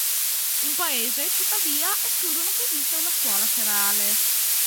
In paese, tuttavia, escludono che esista una scuola serale.